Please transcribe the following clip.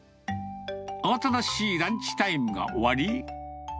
慌ただしいランチタイムが終わり。